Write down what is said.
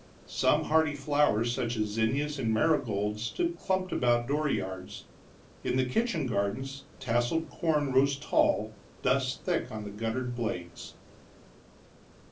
Some hardy flowers, such as zinnias and marigolds, stood clumped about dooryards; in the kitchen gardens tasseled corn rose tall, dust thick on the guttered blades.